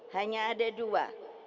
hanya ada dua